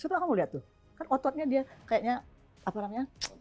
setelah kamu lihat tuh kan ototnya dia kayaknya apa namanya